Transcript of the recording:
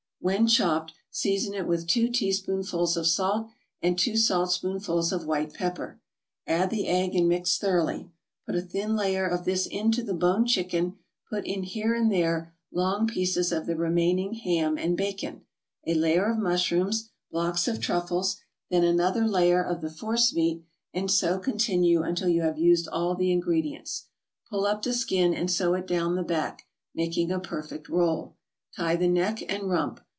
When chopped, season it with two teaspoonfuls of salt, and two saltspoonfuls of white pepper; add the egg and mix thoroughly. Put a thin layer of this into the boned chicken, put in here and there long pieces of the remaining ham and bacon, a layer of mushrooms, blocks of truffles, then another layer of the forcemeat, and so continue until you have used all the ingredients. Pull up the skin and sew it down the back, making a perfect roll. Tie the neck and rump.